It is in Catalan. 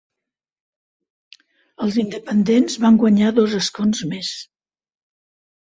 Els independents van guanyar dos escons més.